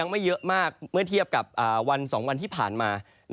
เมื่อเทียบกับ๒วันที่ผ่านมา